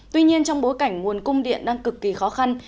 tuy nhiên trong bối cảnh nguồn cung điện đang cực kỳ khó khăn